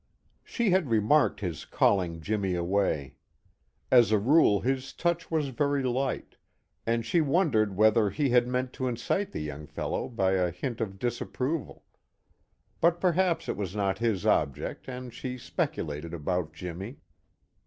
She had remarked his calling Jimmy away. As a rule, his touch was very light, and she wondered whether he had meant to incite the young fellow by a hint of disapproval; but perhaps it was not his object and she speculated about Jimmy.